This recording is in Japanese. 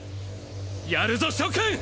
やるぞ諸君！